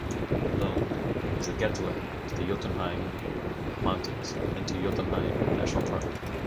Lom is the "gateway" to the Jotunheimen Mountains and to Jotunheim National Park.